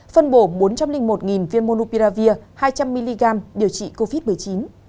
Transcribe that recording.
phân bổ bốn trăm linh một viên monoupiravir hai trăm linh mg điều trị covid một mươi chín